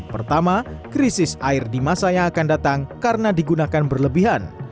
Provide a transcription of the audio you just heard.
pertama krisis air di masa yang akan datang karena digunakan berlebihan